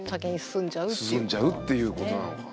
進んじゃうっていうことなのか。